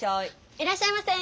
いらっしゃいませ。